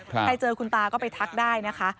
ใครเจอคุณตาก็ไปทักได้นะคะ